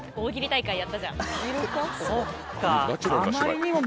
そっか。